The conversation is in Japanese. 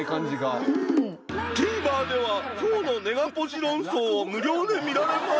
ＴＶｅｒでは今日のネガポジ論争を無料で見られます